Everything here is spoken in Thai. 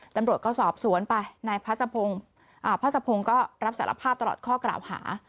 ตำรวจก็สอบสวนไปนายพระสะพงศ์ก็รับสารภาพตลอดข้อกล่าวหา